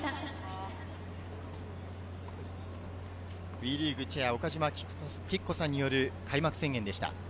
ＷＥリーグチェア・岡島喜久子さんによる開幕宣言でした。